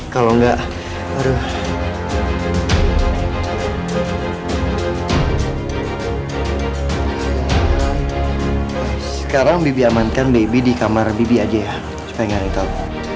kalau enggak aduh sekarang bibi amankan baby di kamar bibi aja ya supaya nggak ritau